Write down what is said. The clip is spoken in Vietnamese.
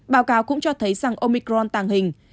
báo cáo cũng cho thấy rằng omicron tàng hình